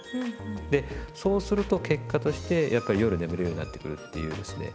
でそうすると結果としてやっぱり夜眠るようになってくるっていうですね